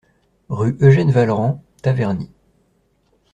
Rue Eugène Vallerand, Taverny